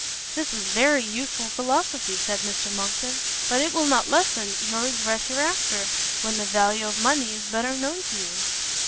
"This is very youthful philosophy," said Mr Monckton; "but it will not lessen your regret hereafter, when the value of money is better known to you."